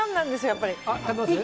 やっぱり。